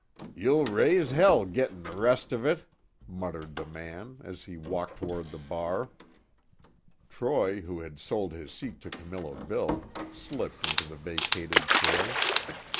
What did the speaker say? "You'll raise hell gittin' the rest of it!" muttered the man, and as he walked toward the bar, Troy, who had sold his seat to Camillo Bill, slipped into the vacated chair.